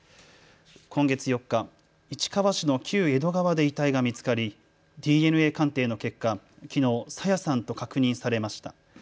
今月４日、市川市の旧江戸川で遺体が見つかりＤＮＡ鑑定の結果、きのう朝芽さんと確認されました。